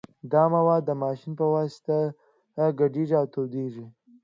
دا مواد د ماشین په واسطه ګډیږي او تودیږي